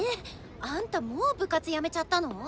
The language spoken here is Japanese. あんたもう部活辞めちゃったの？